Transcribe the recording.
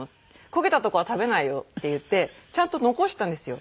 「焦げたとこは食べないよ」って言ってちゃんと残したんですよ。